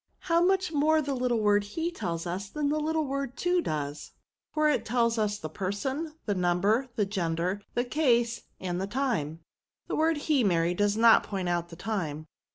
How much more the little word he tells us than the little word to does ; for it tells us the person, the number, the gender^ the case, and the time." *' The word be^ Mary, does not point out the time."